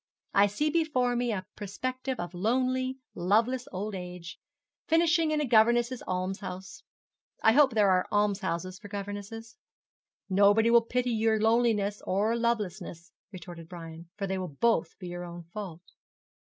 I see before me a perspective of lonely, loveless old age finishing in a governess' almshouse. I hope there are almshouses for governesses. 'Nobody will pity your loneliness or lovelessness,' retorted Brian, 'for they will both be your own fault.'